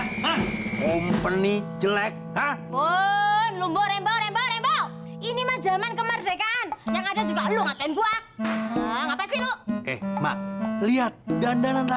sampai jumpa di video selanjutnya